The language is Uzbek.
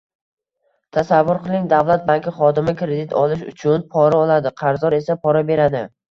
Tasavvur qiling, davlat banki xodimi kredit olish uchun pora oladi, qarzdor esa pora beradi